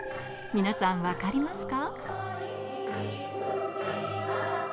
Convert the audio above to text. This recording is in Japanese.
皆さん、分かりますか？